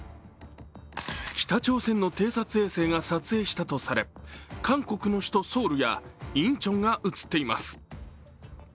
北朝鮮の偵察衛星が撮影したとされ、韓国の首都ソウルやインチョンが写っています。